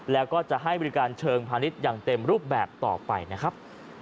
แล้วก็จะให้บริการเชิงพาณิชย์อย่างเต็มรูปแบบต่อไปนะครับ